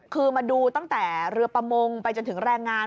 คือมาดูตั้งแต่เรือประมงไปจนถึงแรงงาน